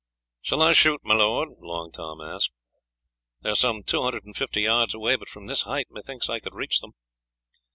"Shall I shoot, my lord?" Long Tom asked. "They are some two hundred and fifty yards away, but from this height methinks that I could reach them."